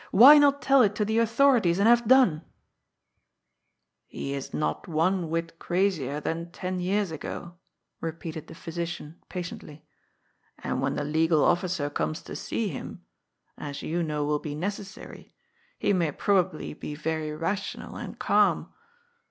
Why not tell it to the author ities, and have done ?" "He is not one whit crazier than ten years ago," re peated the physician patiently. "And when the legal officer comes to see him — as you know will be necessary — he may probably be very rational and calm.